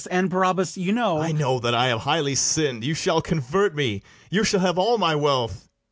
And, Barabas, you know BARABAS. I know that I have highly sinn'd: You shall convert me, you shall have all my wealth.